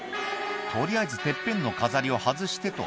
「取りあえずてっぺんの飾りを外してと」